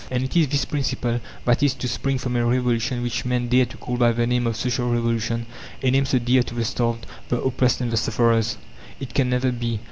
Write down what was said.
And it is this principle that is to spring from a revolution which men dare to call by the name of Social Revolution, a name so dear to the starved, the oppressed, and the sufferers! It can never be.